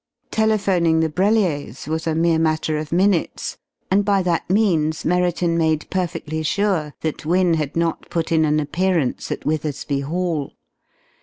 Telephoning the Brelliers was a mere matter of minutes, and by that means Merriton made perfectly sure that Wynne had not put in an appearance at Withersby Hall.